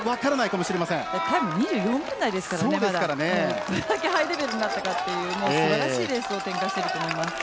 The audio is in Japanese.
どれだけハイレベルになったかという素晴らしいレースを展開していると思います。